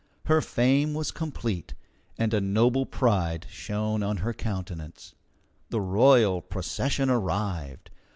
Her fame was complete, and a noble pride shone on her countenance. The royal procession arrived.